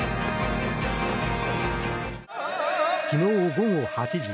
昨日午後８時。